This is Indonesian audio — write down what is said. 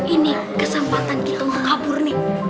ini kesempatan kita untuk kabur nih